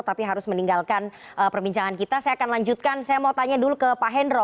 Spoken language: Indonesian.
tapi harus meninggalkan perbincangan kita saya akan lanjutkan saya mau tanya dulu ke pak hendro